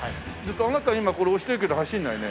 あなた今これ押してるけど走んないね。